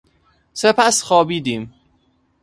سپس خوابیدیم.